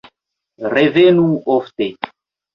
Revenu ofte!